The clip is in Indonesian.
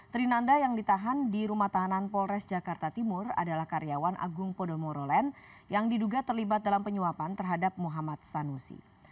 trinanda yang ditahan di rumah tahanan polres jakarta timur adalah karyawan agung podomoro land yang diduga terlibat dalam penyuapan terhadap muhammad sanusi